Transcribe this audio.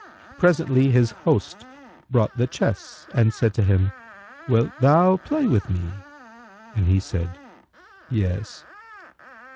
Presently his host brought the chess and said to him, "Wilt thou play with me?"; and he said, "Yes."